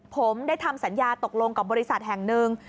ผมได้ทำสัญญาตกลงกับบริษัทแห่งหนึ่ง